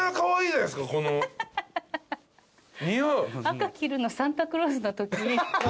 赤着るのサンタクロースのとき。